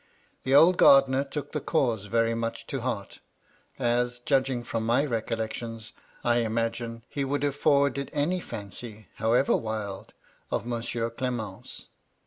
The old gardener took the cause very much to heart; as, judging from my recollections, I imagine he would have forwarded any fancy, however wild, of Monsieur Clement's.